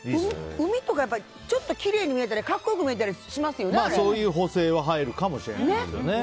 海とかってちょっときれいに見えたりそういう補正は入るかもしれないですね。